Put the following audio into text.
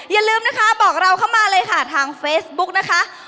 อย่าลืมบอกเราเลยเข้ามาเรนะคะทางเฟสบุ๊คนะคะ